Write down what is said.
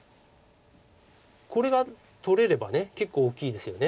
これが取れれば結構大きいですよね。